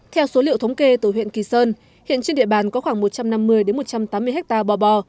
theo số liệu thống kê từ huyện kỳ sơn hiện trên địa bàn có khoảng một trăm năm mươi một trăm tám mươi hectare bò bò